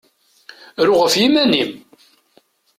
Ru ɣef yiman-im!